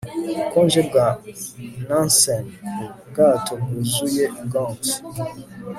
ubukonje bwa nansen ku bwato bwuzuye gongs